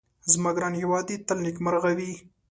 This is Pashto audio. زما ګران هيواد دي تل نيکمرغه وي